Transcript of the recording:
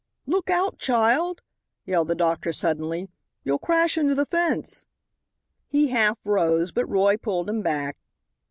"Look out, child!" yelled the doctor, suddenly, "you'll crash into the fence." He half rose, but Roy pulled him back.